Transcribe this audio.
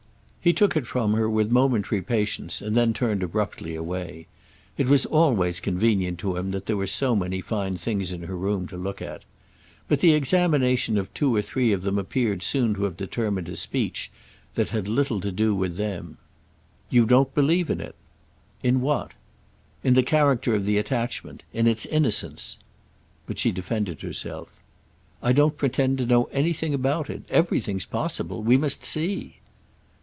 He took it from her with momentary patience and then turned abruptly away. It was always convenient to him that there were so many fine things in her room to look at. But the examination of two or three of them appeared soon to have determined a speech that had little to do with them. "You don't believe in it!" "In what?" "In the character of the attachment. In its innocence." But she defended herself. "I don't pretend to know anything about it. Everything's possible. We must see."